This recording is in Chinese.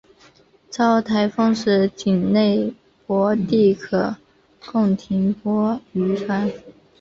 遇台风时仅内泊地可供停泊渔船。